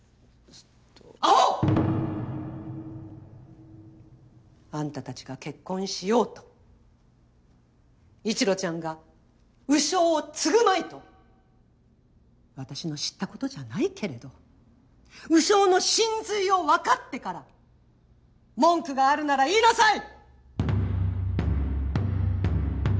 アホ！あんたたちが結婚しようと一路ちゃんが鵜匠を継ぐまいと私の知ったことじゃないけれど鵜匠の神髄を分かってから文句があるなら言いなさい！